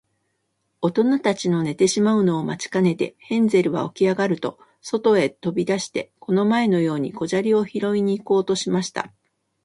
おとなたちの寝てしまうのを待ちかねて、ヘンゼルはおきあがると、そとへとび出して、この前のように小砂利をひろいに行こうとしました。